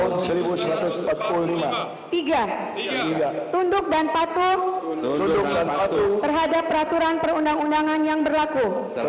tunduk dan patuh terhadap peraturan perundang undangan yang berlaku